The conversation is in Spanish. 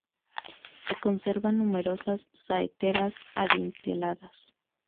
Se conservan numerosas saeteras adinteladas.